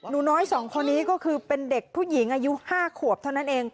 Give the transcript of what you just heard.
หนูน้อย๒คนนี้ก็คือเป็นเด็กผู้หญิงอายุ๕ขวบเท่านั้นเอง